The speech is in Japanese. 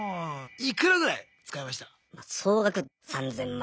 いくらぐらい使いました？